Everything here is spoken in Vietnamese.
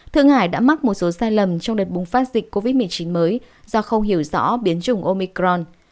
thượng hải đã mắc một số sai lầm trong đợt bùng phát dịch covid một mươi chín mới do không hiểu rõ biến chủng omicron